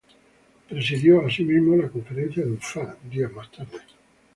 Presidió asimismo la conferencia de Ufá días más tarde.